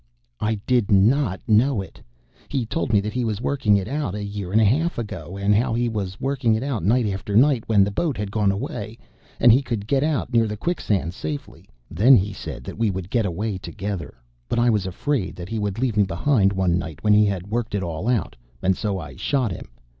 "I did not know it. He told me that he was working it out a year and a half ago, and how he was working it out night after night when the boat had gone away, and he could get out near the quicksand safely. Then he said that we would get away together. But I was afraid that he would leave me behind one night when he had worked it all out, and so I shot him.